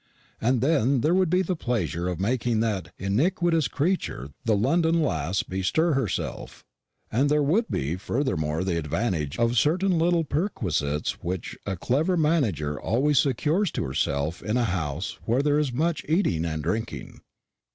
And then there would be the pleasure of making that iniquitous creature the London lass bestir herself, and there would be furthermore the advantage of certain little perquisites which a clever manager always secures to herself in a house where there is much eating and drinking.